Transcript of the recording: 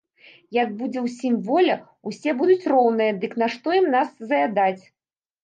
Як будзе ўсім воля, усе будуць роўныя, дык нашто ім нас заядаць?